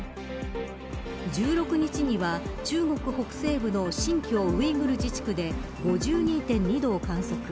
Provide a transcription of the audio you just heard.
１６日には中国北西部の新疆ウイグル自治区で５２．２度を観測。